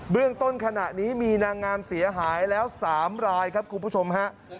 เรื่องต้นขณะนี้มีนางงามเสียหายแล้ว๓รายครับคุณผู้ชมฮะ